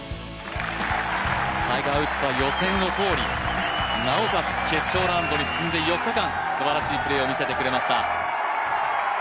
タイガー・ウッズは予選を通りなおかつ決勝ラウンドに進んで４日間すばらしいプレーを見せてくれました。